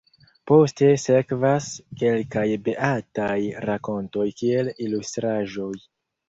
Poste sekvas kelkaj beataj rakontoj kiel ilustraĵoj.